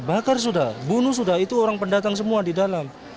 bakar sudah bunuh sudah itu orang pendatang semua di dalam